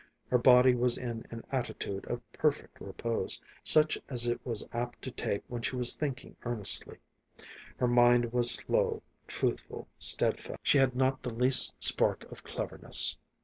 Her body was in an attitude of perfect repose, such as it was apt to take when she was thinking earnestly. Her mind was slow, truthful, steadfast. She had not the least spark of cleverness.